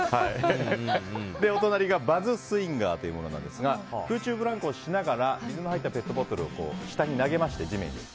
お隣がバズスインガーというものですが空中ブランコをしながら水の入ったペットボトルを下に投げまして、地面に。